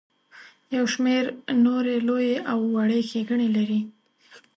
یو شمیر نورې لویې او وړې ښیګړې لري.